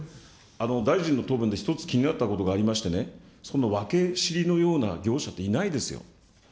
大臣の答弁で一つ気になったことがありましてね、その訳知りのような業者っていないですよ。